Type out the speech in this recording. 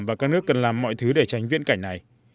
và các nước cần làm mọi thứ để tránh viễn cảnh này